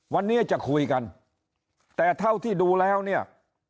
วันนี้จะคุยกันแต่เท่าที่ดูแล้วเนี่ย